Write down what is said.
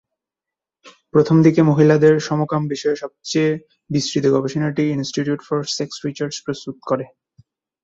প্রথমদিকে মহিলাদের সমকাম বিষয়ে সবচেয়ে বিস্তৃত গবেষণাটি 'ইন্সটিটিউট ফর সেক্স রিসার্চ' প্রস্তুত করে।